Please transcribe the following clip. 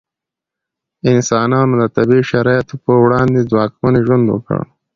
انسانانو د طبیعي شرایطو په وړاندې ځواکمن ژوند وکړ.